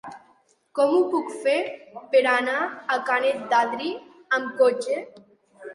Com ho puc fer per anar a Canet d'Adri amb cotxe?